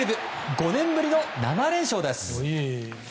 ５年ぶりの７連勝です！